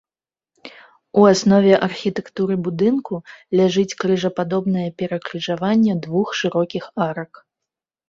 У аснове архітэктуры будынку ляжыць крыжападобнае перакрыжаванне двух шырокіх арак.